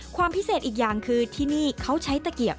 ความพิเศษอีกอย่างคือที่นี่เขาใช้ตะเกียบ